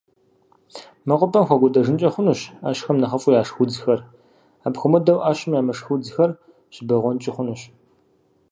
МэкъупӀэм хэкӀуэдэжынкӀэ хъунущ Ӏэщхэм нэхъыфӀу яшх удзхэр, апхуэмыдэу, Ӏэщым ямышх удзхэр щыбэгъуэнкӀи хъунущ.